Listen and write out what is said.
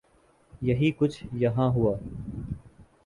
یہی کچھ یہاں ہوا۔